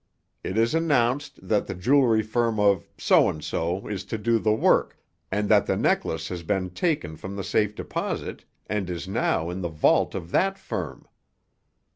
It is announced that the jewelry firm of So & So is to do the work, and that the necklace has been taken from the safe deposit and now is in the vault of that firm."